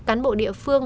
cán bộ địa phương